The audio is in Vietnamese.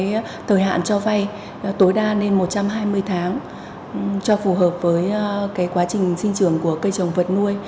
cái thời hạn cho vay tối đa lên một trăm hai mươi tháng cho phù hợp với cái quá trình sinh trưởng của cây trồng vật nuôi